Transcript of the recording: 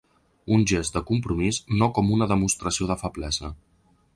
Un gest de compromís, no com una demostració de feblesa.